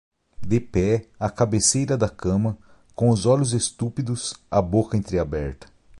De pé, à cabeceira da cama, com os olhos estúpidos, a boca entreaberta